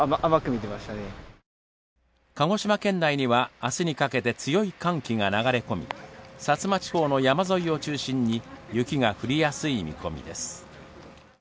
鹿児島県内には明日にかけて強い寒気が流れ込み、薩摩地方の山沿いを中心に雪が降りやすい見込みです。